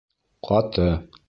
Ҡаты